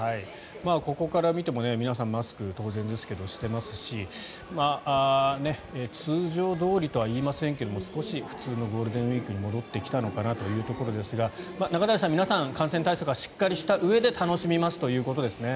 ここから見ても皆さん、マスク当然ですけど、していますし通常どおりとはいいませんが少し普通のゴールデンウィークに戻ってきたのかなというところですが中谷さん、皆さん感染対策はしっかりしたうえで楽しみますということですね。